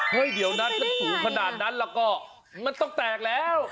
เดี๋ยวนั้นมันสูงขนาดนั้นแล้วก็มันต้องแตกแล้ว